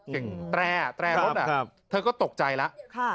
แก่งแตร่แตร่รถเธอก็ตกใจแล้ว